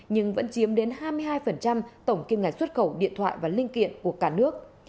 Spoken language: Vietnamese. nhưng vẫn chiếm đến hai mươi hai tổng kim ngạch xuất khẩu điện thoại và linh kiện của cả nước